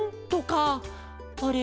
あれ？